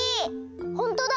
ほんとだ！